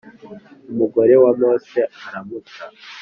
umugore wa Mose aramuta